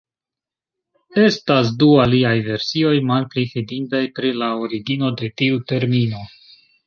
Estas du aliaj versioj, malpli fidindaj, pri la origino de tiu termino.